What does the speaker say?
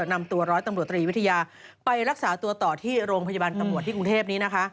นำตัวร้อยตำรวจตรีวิทยาไปรักษาตัวต่อที่โรงพยาบาลตำรวจที่กรุงเทพนี้นะคะ